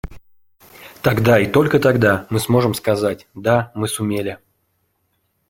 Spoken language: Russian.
Тогда, и только тогда, мы сможем сказать «Да, мы сумели!».